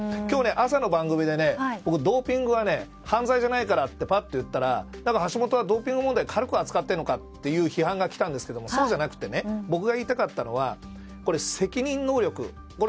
今日、朝の番組で僕、ドーピングは犯罪じゃないからって言ったら橋下はドーピング問題を軽く扱っているのかという批判が来たんですけどそうじゃなくて僕が言いたかったのは、責任能力。